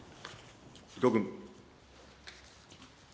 伊藤君。